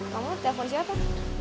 kamu telepon siapa